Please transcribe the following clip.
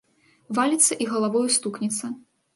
Валіцца і галавою стукнецца.